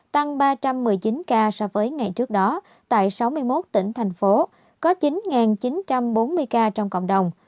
tăng ba trăm một mươi chín ca so với ngày trước đó tại sáu mươi một tỉnh thành phố có chín chín trăm bốn mươi ca trong cộng đồng